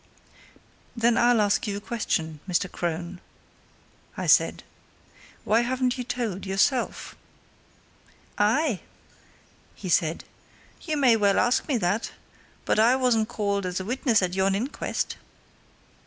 "Then I'll ask you a question, Mr. Crone," I said. "Why haven't you told, yourself?" "Aye!" he said. "You may well ask me that. But I wasn't called as a witness at yon inquest."